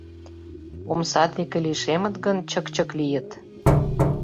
Омса деке лишемыт гын, чык-чык лийыт.